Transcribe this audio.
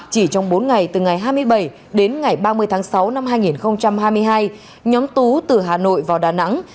chỉ trong bốn ngày từ ngày hai mươi bảy đến ngày ba mươi tháng sáu năm hai nghìn hai mươi hai nhóm tú từ hà nội vào đà nẵng